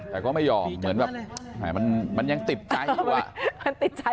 แต่ก็ไม่ยอมเหมือนแบบมันยังติดใจอีกว่า